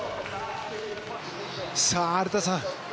さあ荒田さん